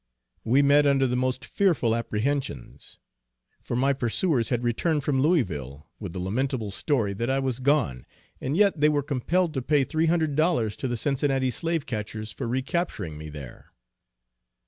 We met under the most fearful apprehensions, for my pursuers had returned from Louisville, with the lamentable story that I was gone, and yet they were compelled to pay three hundred dollars to the Cincinnati slave catchers for re capturing me there.